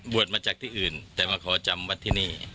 มาจากที่อื่นแต่มาขอจำวัดที่นี่